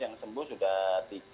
yang sembuh sudah tiga